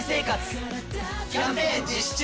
キャンペーン実施中！